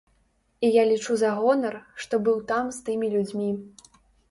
І я лічу за гонар, што быў там з тымі людзьмі.